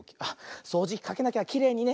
そうじきかけなきゃきれいにね。